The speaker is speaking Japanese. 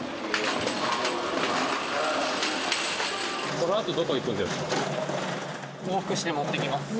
このあとどこ行くんですか？